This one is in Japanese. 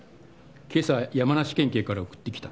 今朝山梨県警から送ってきた。